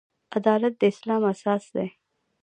عدالت د اسلام اساس دی